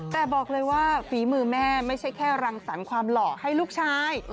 แต่บอกเลยว่าฝีมือแม่ไม่ใช่แค่รังสรรค์ความหล่อให้ลูกชาย